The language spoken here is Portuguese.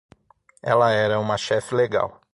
Ela era uma chefe legal.